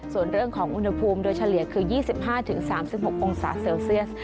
ส่วนเรื่องของอุณหภูมิโดยเฉลี่ยคือ๒๕๓๖องศาเซลเซียส